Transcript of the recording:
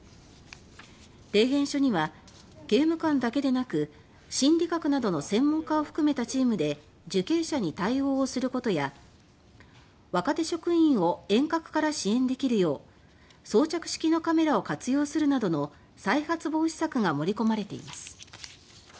提言書には刑務官だけでなく心理学などの専門家を含めたチームで受刑者に対応をすることや若手職員を遠隔から支援できるよう装着式のカメラを活用するなどの再発防止策が盛り込まれています。